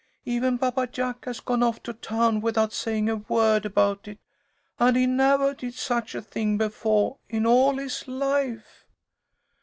Even Papa Jack has gone off to town without saying a word about it, and he nevah did such a thing befo' in all his life!"